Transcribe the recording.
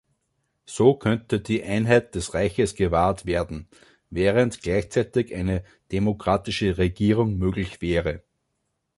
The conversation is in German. So könnte die Einheit des Reiches gewahrt werden, während gleichzeitig eine demokratische Regierung möglich wäre.